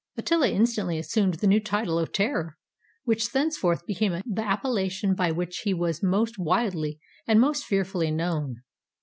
Attila instantly assumed this new title of terror, which thenceforth became the appellation by which he was most widely and most fearfully known.